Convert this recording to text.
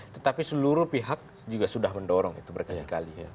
tetapi seluruh pihak juga sudah mendorong itu berkali kali